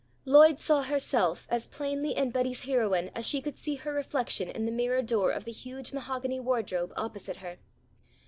Lloyd saw herself as plainly in Betty's heroine as she could see her reflection in the mirror door of the huge mahogany wardrobe opposite her.